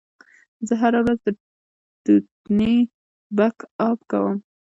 زه هره ورځ دوتنې بک اپ کوم.